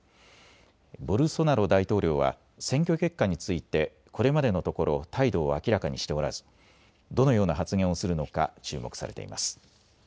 ボルソナロ大統領は選挙結果について、これまでのところ態度を明らかにしておらず、どのような発言をするのか注目されています。